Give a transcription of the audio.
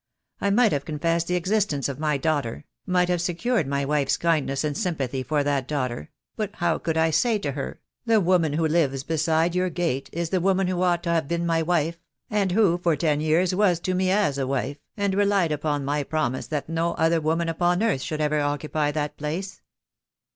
I might have confessed the existence of my daughter — might have secured my wife's kindness and sympathy for that daughter 15* 2 28 THE DAY WILL COME. — but how could I say to her, The woman who lives be side your gate is the woman who ought to have been my wife, and who for ten years was to me as a wife, and relied upon my promise that no other woman upon earth should ever occupy that place?